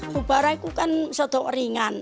mubara itu kan sedikit ringan